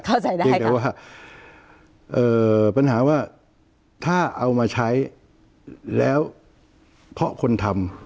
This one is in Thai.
แต่ว่าปัญหาว่าถ้าเอามะใช้แล้วเพาะคนทำ